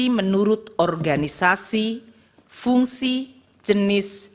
dari seluruh organisasi fungsi jenis